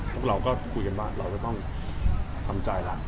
พวกเราก็คุยกันว่าเราจะต้องทำใจล่ะ